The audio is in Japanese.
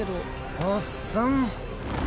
おっさん